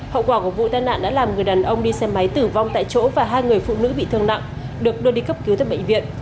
hậu quả của vụ tai nạn đã làm người đàn ông đi xe máy tử vong tại chỗ và hai người phụ nữ bị thương nặng được đưa đi cấp cứu tại bệnh viện